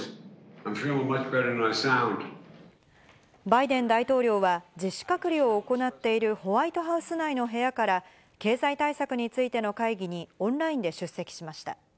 バイデン大統領は、自主隔離を行っているホワイトハウス内の部屋から、経済対策についての会議にオンラインで出席しました。